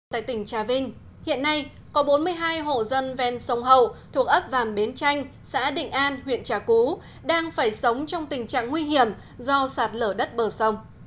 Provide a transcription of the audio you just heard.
tại tỉnh trà vinh hiện nay có bốn mươi hai hộ dân ven sông hậu thuộc ấp vàm bến chanh xã định an huyện trà cú đang phải sống trong tình trạng nguy hiểm do sạt lở đất bờ sông